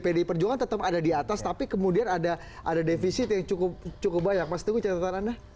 pdi perjuangan tetap ada di atas tapi kemudian ada defisit yang cukup banyak mas teguh catatan anda